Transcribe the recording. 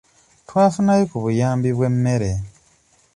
Twafunayo ku buyambi bw'emmere.